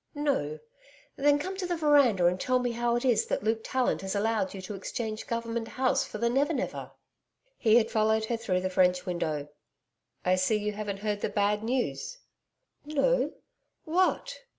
No. Then come to the veranda and tell me how it is that Luke Tallant has allowed you to exchange Government House for the Never Never?' He had followed her through the French window. 'I see you haven't heard the bad news.' 'No what?